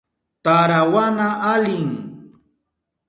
Tarawana alim.